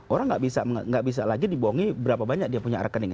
orang nggak bisa lagi dibohongi berapa banyak dia punya rekening